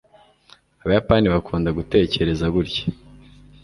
abayapani bakunda gutekereza gutya